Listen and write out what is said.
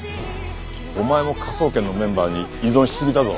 お前も科捜研のメンバーに依存しすぎだぞ。